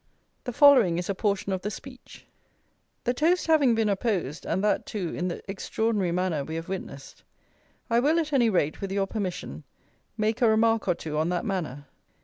] The following is a portion of the speech: "The toast having been opposed, and that, too, in the extraordinary manner we have witnessed, I will, at any rate, with your permission, make a remark or two on that manner.